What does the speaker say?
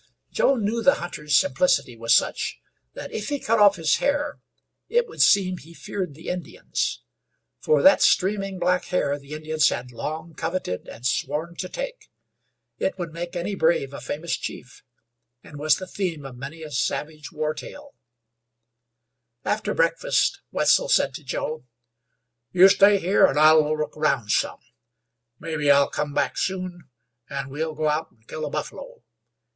Joe knew the hunter's simplicity was such, that if he cut off his hair it would seem he feared the Indians for that streaming black hair the Indians had long coveted and sworn to take. It would make any brave a famous chief, and was the theme of many a savage war tale. After breakfast Wetzel said to Joe: "You stay here, an' I'll look round some; mebbe I'll come back soon, and we'll go out an' kill a buffalo.